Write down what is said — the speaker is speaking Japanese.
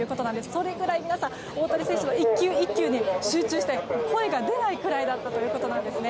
それぐらい皆さん大谷選手の１球１球に集中して声が出ないぐらいだったということなんですね。